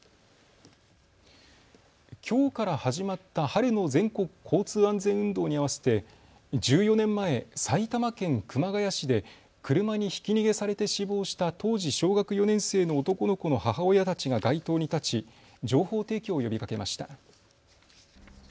きょうから始まった春の全国交通安全運動に合わせて１４年前、埼玉県熊谷市で車にひき逃げされて死亡した当時小学４年生の男の子の母親たちが街頭に立ち情報提供を呼びかけました。